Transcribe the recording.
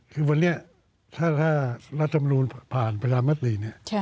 คือวันนี้ถ้าถ้ารัฐธรรมรุนผ่านประการมตรีเนี่ยใช่